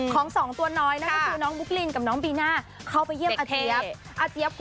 สองตัวน้อยนั่นก็คือน้องบุ๊กลินกับน้องบีน่าเข้าไปเยี่ยมอาเจี๊ยบ